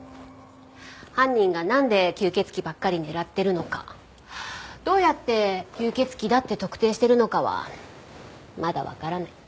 犯人がなんで吸血鬼ばっかり狙ってるのかどうやって吸血鬼だって特定してるのかはまだわからない。